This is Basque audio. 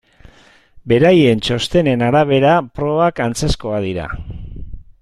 Beraien txostenen arabera probak antzekoak ziren.